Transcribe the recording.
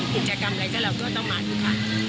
กิจกรรมอะไรก็เราก็ต้องมาทุกครั้ง